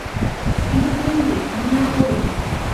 — Тидӹ тенге. Но мӓ олен